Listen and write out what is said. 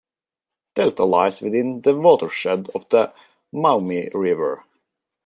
Delta lies within the watershed of the Maumee River.